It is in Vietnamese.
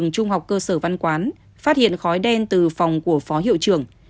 cơ sở văn quán phát hiện khói đen từ phòng của phó hiệu trưởng